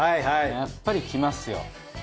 やっぱりきますよ。